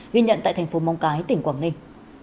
ghi nhận tại thành phố móng cái tỉnh quảng ninh